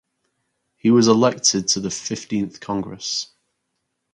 He was elected to the Fifteenth Congress.